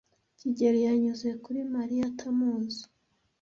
kigeli yanyuze kuri Mariya atamuzi.